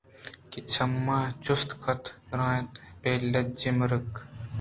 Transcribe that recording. کہ چمّے چست کُت ءُ درّائینت ئے بے لجّیں مُرگ